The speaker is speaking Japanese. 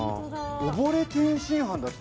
おぼれ天津飯だって。